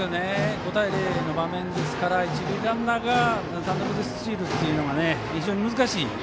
５対０の場面ですから一塁ランナーが単独でスチールというのは非常に難しい。